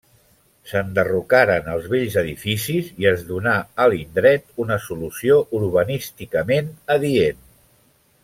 S'enderrocaren els vells edificis i es donà a l'indret una solució urbanísticament adient.